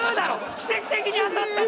奇跡的に当たったんだよ！